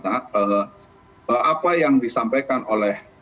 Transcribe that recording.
apa yang disampaikan oleh